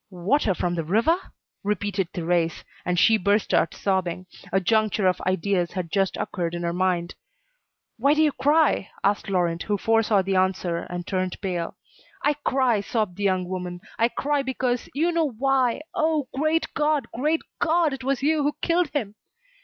"Water from the river?" repeated Thérèse. And she burst out sobbing. A juncture of ideas had just occurred in her mind. "Why do you cry?" asked Laurent, who foresaw the answer, and turned pale. "I cry," sobbed the young woman, "I cry because you know why Oh! Great God! Great God! It was you who killed him."